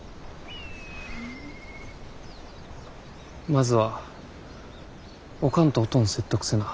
まずはおかんとおとん説得せな。